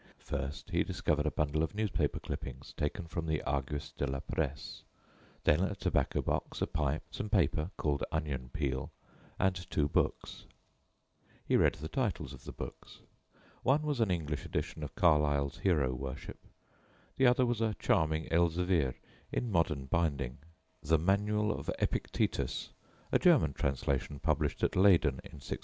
First he discovered a bundle of newspaper clippings relating to Arsène Lupin taken from the Argus de la Presse, then a tobacco box, a pipe, some paper called "onion peel," and two books. He read the titles of the books. One was an English edition of Carlyle's "Hero worship"; the other was a charming elzevir, in modern binding, the "Manual of Epictetus," a German translation published at Leyden in 1634.